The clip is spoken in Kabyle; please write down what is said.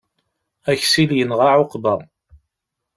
Aksil yenɣa ɛuqba.